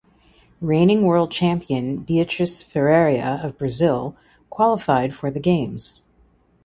Reigning World Champion Beatriz Ferreira of Brazil qualified for the Games.